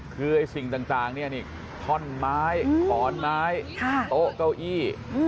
คือไอ้สิ่งต่างอันนี้ท่อน้๋หม้ายขอน้๋หม้ายโต๊ะเก้าอี้